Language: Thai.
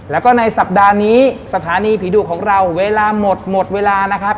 แล้วก็ในสัปดาห์นี้สถานีผีดุของเราเวลาหมดหมดเวลานะครับ